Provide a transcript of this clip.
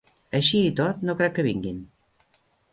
Així i tot, no crec que vinguin.